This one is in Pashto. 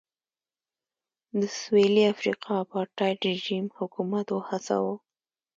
د سوېلي افریقا اپارټایډ رژیم حکومت وهڅاوه.